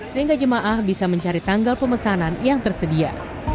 sehingga jemaah bisa mencari tanggal pemesanan yang tersedia